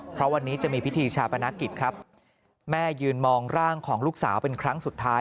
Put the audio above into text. เพราะวันนี้จะมีพิธีชาปนกิจครับแม่ยืนมองร่างของลูกสาวเป็นครั้งสุดท้าย